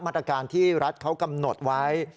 มาตรการที่รัฐเขากำหนดไว้